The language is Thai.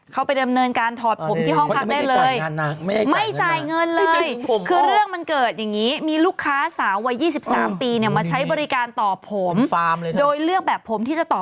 ไปดำเนินการถอดผมที่ห้องพักได้เลย